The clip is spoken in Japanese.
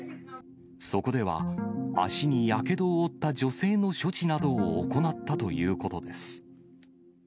そこでは、足にやけどを負った女性の処置などを行ったということです。